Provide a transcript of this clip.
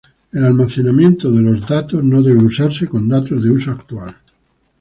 El almacenamiento de los datos no debe usarse con datos de uso actual.